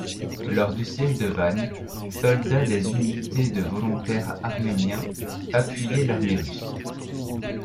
Lors du siège de Van, soldats des unités de volontaires arméniens appuyaient l'armée russe.